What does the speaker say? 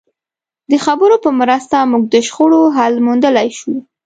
د خبرو په مرسته موږ د شخړو حل موندلای شو.